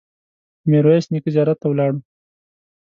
د میرویس نیکه زیارت ته ولاړو.